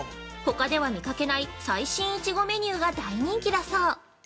ほかでは見かけない最新イチゴメニューが大人気だそう。